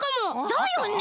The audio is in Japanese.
だよね！